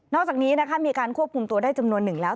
อกจากนี้นะคะมีการควบคุมตัวได้จำนวนหนึ่งแล้ว